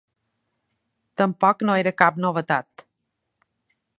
Tampoc no era cap novetat.